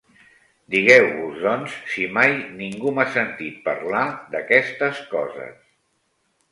Digueu-vos, doncs, si mai ningú m'ha sentit parlar d'aquestes coses.